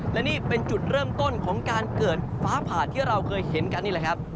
และนี่เป็นจุดเริ่มต้นของการเกิดฟ้าผ่าที่เราเคยเห็นกันนี่แหละครับ